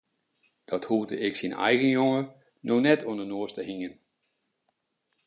Dat hoegde ik syn eigen jonge no net oan de noas te hingjen.